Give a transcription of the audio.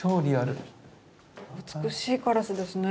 美しいカラスですね。